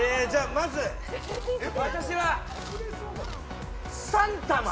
まず、私は３玉。